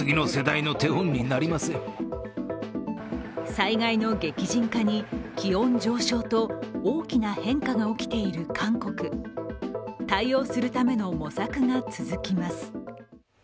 災害の激甚化に気温上昇と大きな変化が起きている韓国。対応するための模索が続きます。